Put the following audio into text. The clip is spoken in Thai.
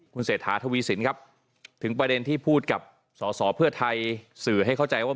คุณเศรษฐาทวีสินครับถึงประเด็นที่พูดกับสอสอเพื่อไทยสื่อให้เข้าใจว่า